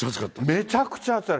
めちゃくちゃ暑い。